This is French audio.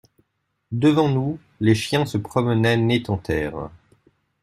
Devant nous les chiens se promenaient nez en terre.